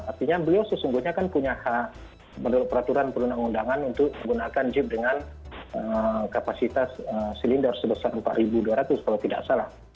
artinya beliau sesungguhnya kan punya hak menurut peraturan perundang undangan untuk menggunakan jeep dengan kapasitas silinder sebesar empat dua ratus kalau tidak salah